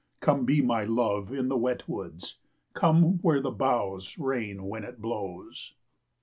Come, be my love in the wet woods; come, Where the boughs rain when it blows.